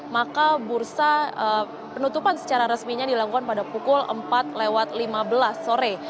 maka bursa penutupan secara resminya dilakukan pada pukul empat lewat lima belas sore